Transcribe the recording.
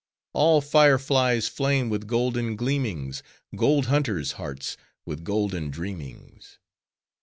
All fire flies flame with golden gleamings: Gold hunters' hearts with golden dreamings!